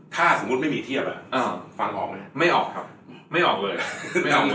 ถ้าสมมุติไม่มีเทียบฟังออกไหม